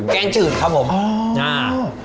แกงจืดครับผมอ่า